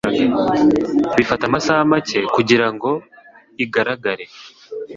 bifata amasaha make kugira ngo igaragare.